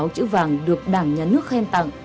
một mươi sáu chữ vàng được đảng nhà nước khen tặng